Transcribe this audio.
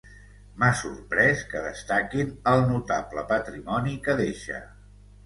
M'ha sorprès que destaquin el notable patrimoni que deixa.